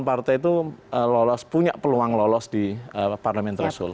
tujuh delapan partai itu lolos punya peluang lolos di parlement threshold